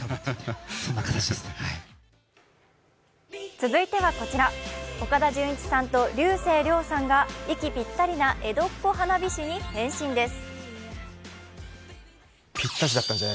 続いてはこちら、岡田准一さんと竜星涼さんが息ぴったりな江戸っ子花火師に変身です。